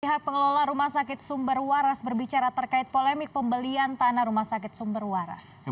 pihak pengelola rumah sakit sumberwaras berbicara terkait polemik pembelian tanah rumah sakit sumberwaras